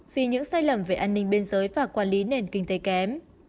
vì những sai lầm về an ninh biên giới và quản lý nền kinh tế kém